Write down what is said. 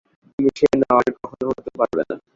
তুমি সে নও আর কখনো হতেও পারবে না।